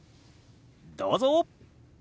どうぞ！